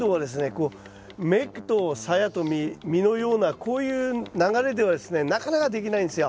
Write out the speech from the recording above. こう芽とサヤと実実のようなこういう流れではですねなかなかできないんですよ。